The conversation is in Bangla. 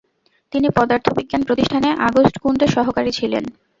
তিনি পদার্থবিজ্ঞান প্রতিষ্ঠানে আগস্ট কুন্ডের সহকারী ছিলেন।